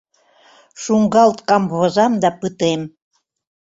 Шуҥгалт камвозам да пытем.